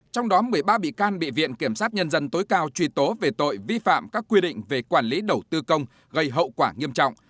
trong đó một mươi ba bị can bị viện kiểm sát nhân dân tối cao truy tố về tội vi phạm các quy định về quản lý đầu tư công gây hậu quả nghiêm trọng